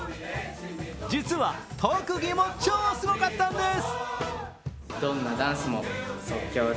実は特技も超すごかったんです。